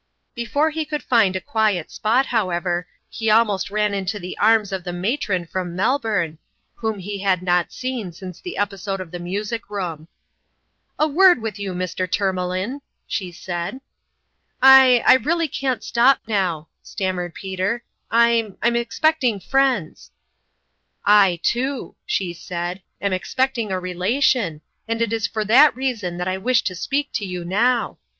Before he could find the quiet spot, how ever, he almost ran into the arms of the ma tron from Melbourne, whom he had not seen since the episode of the music room. " A word with you, Mr. Tourmalin !" she said. " I I really can't stop now," stammered Peter. " I I'm expecting friends !"" I, too," she said, " am expecting a relation, and it is for that reason that I wish to speak to you now.